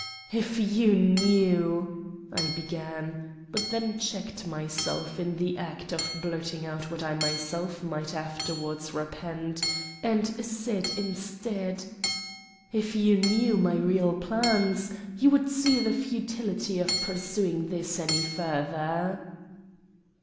"If you knew " I began, but then checked myself in the act of blurting out what I myself might afterward repent, and said instead: "If you knew my real plans, you would see the futility of pursuing this any further."